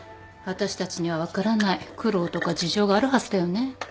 私たちには分からない苦労とか事情があるはずだよね。